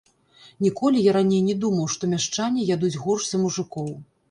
Ніколі я раней не думаў, што мяшчане ядуць горш за мужыкоў.